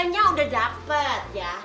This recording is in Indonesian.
hotelnya sudah dapat ya